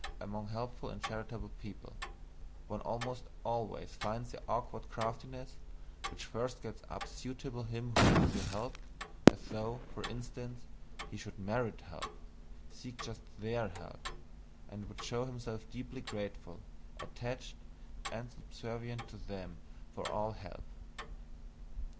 Among helpful and charitable people, one almost always finds the awkward craftiness which first gets up suitably him who has to be helped, as though, for instance, he should "merit" help, seek just THEIR help, and would show himself deeply grateful, attached, and subservient to them for all help.